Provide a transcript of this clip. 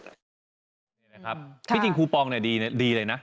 พี่จริงคูปองดีเลยนะ